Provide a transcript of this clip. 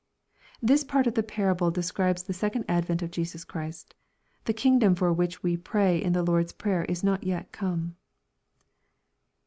] This part of the parable de scribes the second advent of Jesus Christ. The kingdom for which we pray in the Lord's prayer is not yet come.